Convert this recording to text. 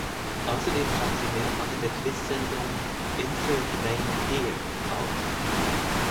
Außerdem trat sie mehrfach in der Quizsendung "Insert Name Here" auf.